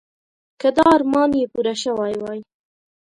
که دا ارمان یې پوره شوی وای.